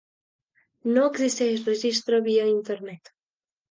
No existeix registre via internet.